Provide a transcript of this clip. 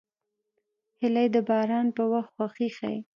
هیلۍ د باران په وخت خوښي ښيي